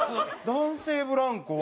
男性ブランコは。